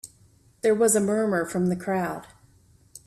There was a murmur from the crowd.